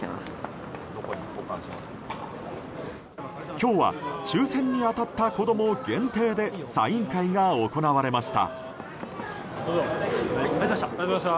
今日は抽選に当たった子供限定でサイン会が行われました。